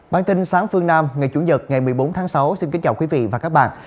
bản tin sáng phương nam ngày chủ nhật ngày một mươi bốn tháng sáu xin kính chào quý vị và các bạn